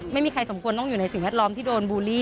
ไม่มีใครสมควรต้องอยู่ในสิ่งแวดล้อมที่โดนบูลลี่